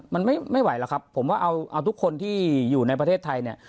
มันไม่ไหวหรอกครับผมว่าเอาทุกคนที่อยู่ในประเทศไทยเนี่ย